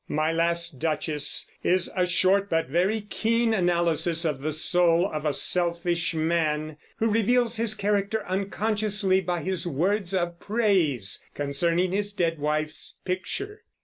"My Last Duchess" is a short but very keen analysis of the soul of a selfish man, who reveals his character unconsciously by his words of praise concerning his dead wife's picture.